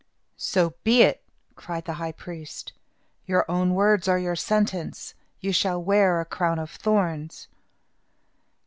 "So be it," cried the high priest. "Your own words are your sentence. You shall wear a crown of thorns."